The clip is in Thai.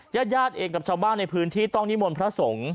ญาติญาติเองกับชาวบ้านในพื้นที่ต้องนิมนต์พระสงฆ์